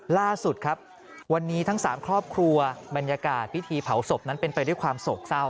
ล่าสุดครับวันนี้ทั้ง๓ครอบครัวบรรยากาศพิธีเผาศพนั้นเป็นไปด้วยความโศกเศร้า